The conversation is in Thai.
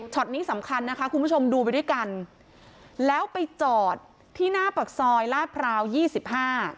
นี้สำคัญนะคะคุณผู้ชมดูไปด้วยกันแล้วไปจอดที่หน้าปากซอยลาดพราวยี่สิบห้า